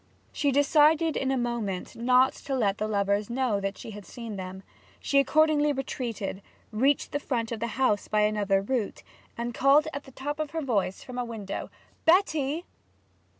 She decided in a moment not to let the lovers know that she had seen them. She accordingly retreated, reached the front of the house by another route, and called at the top of her voice from a window, 'Betty!'